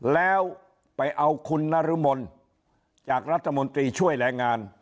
แล้วไปเอาคุณนรมนจากรัฐมนตรีช่วยแรงงาน